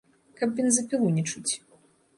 Каб бензапілу не чуць.